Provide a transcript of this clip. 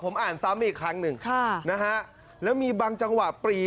ผมอ่านซ้ำอีกครั้งหนึ่งค่ะนะฮะแล้วมีบางจังหวะปรี